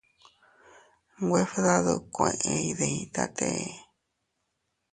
Nwe fdadukue iyditate.